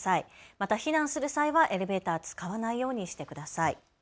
また避難する際はエレベーター、使わないようにしてください。